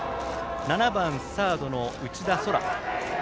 ７番、サードの内田蒼空。